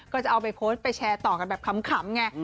ก็จะเอาไปโพสต์ไปแชร์ต่อกันแบบขำไง